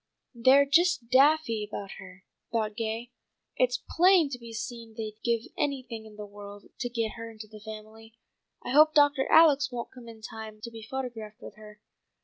"They're just daffy about her," thought Gay. "It's plain to be seen they'd give anything in the world to get her into the family. I hope Doctor Alex won't come in time to be photographed with her.